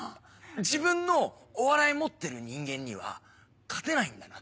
自分のお笑い持ってる人間には勝てないんだなって。